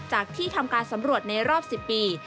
ที่ทำการสำรวจในรอบ๑๐ปี